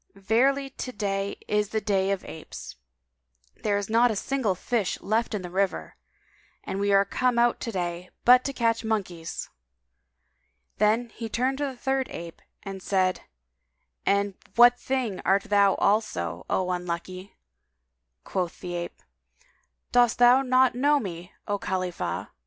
Verily, to day is a day of apes: there is not a single fish left in the river, and we are come out to day but to catch monkeys!" Then he turned to the third ape and said, "And what thing art thou also, O unlucky?" Quoth the ape, "Dost thou not know me, O Khalifah!"